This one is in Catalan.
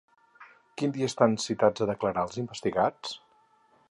Quin dia estan citats a declarar els investigats?